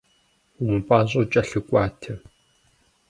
Умыпӏащӏэу кӏэлъыкӏуатэ.